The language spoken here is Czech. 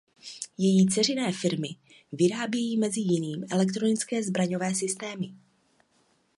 Její dceřiné firmy vyrábějí mezi jiným elektronické zbraňové systémy.